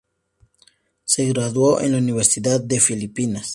Se graduó en la Universidad de Filipinas.